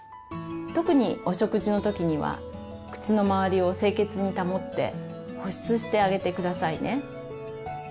特にお食事の時には口の周りを清潔に保って保湿してあげてくださいね。